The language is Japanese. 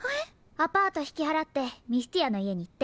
アパートひきはらってミスティアのいえにいって。